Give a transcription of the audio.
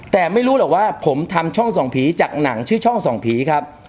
แต่ไม่รู้หรอกว่าผมทำช่องส่องผีจากหนังชื่อช่องส่องผีครับ